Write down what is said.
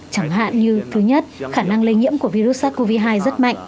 chẳng hạn như thứ nhất khả năng lây nhiễm của virus sars cov hai rất mạnh